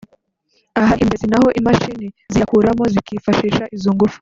ahari imigezi naho imashini ziyakuramo zikifashisha izo ngufu